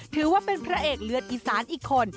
ถือว่าเป็นพระเอกเลือดอีสานอีกคน